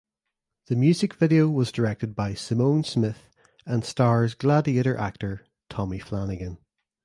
The music video was directed by Simone Smith and stars "Gladiator" actor Tommy Flanagan.